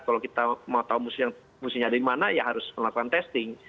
kalau kita mau tahu mestinya ada di mana ya harus melakukan testing